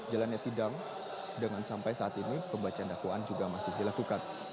jalannya sidang dengan sampai saat ini pembacaan dakwaan juga masih dilakukan